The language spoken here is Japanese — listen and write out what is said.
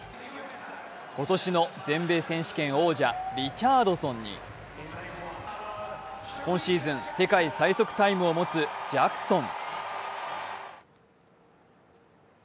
今年の全米選手権王者、リチャードソンに今シーズン世界最速タイムを持つジャクソン。